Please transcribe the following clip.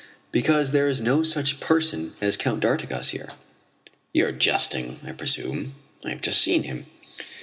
"Because there is no such person as Count d'Artigas here." "You are jesting, I presume; I have just seen him."